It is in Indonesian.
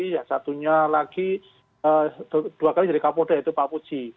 yang satunya lagi dua kali dari kapoldo yaitu pak puci